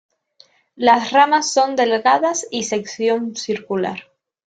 Las ramas son delgadas y sección circular.